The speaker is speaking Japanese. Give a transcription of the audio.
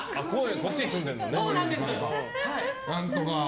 こっちに住んでるのね。